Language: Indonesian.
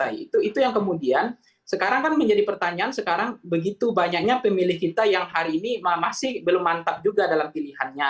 itu yang kemudian sekarang kan menjadi pertanyaan sekarang begitu banyaknya pemilih kita yang hari ini masih belum mantap juga dalam pilihannya